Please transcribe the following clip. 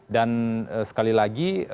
dan sekali lagi